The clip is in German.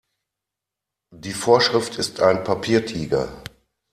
Die Vorschrift ist ein Papiertiger.